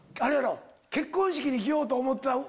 結婚式で着ようと思った。